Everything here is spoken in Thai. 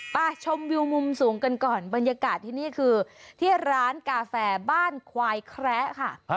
ไปชมวิวมุมสูงกันก่อนบรรยากาศที่นี่คือที่ร้านกาแฟบ้านควายแคระค่ะ